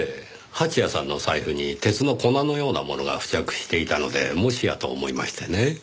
蜂矢さんの財布に鉄の粉のようなものが付着していたのでもしやと思いましてね。